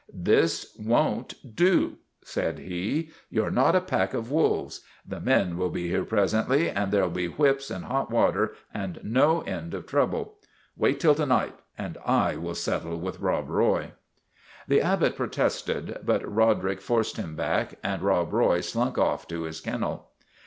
This won't do,' said he. You 're not a pack of wolves. The men will be here presently, and there '11 be whips and hot water and no end of trouble. Wait till to night, and I will settle with Rob Roy.' " The Abbot protested ; but Roderick forced him back, and Rob Roy slunk off to his kennel.